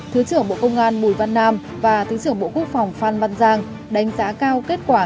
thứ trưởng bộ công an bùi văn nam và thứ trưởng bộ quốc phòng phan văn giang đánh giá cao kết quả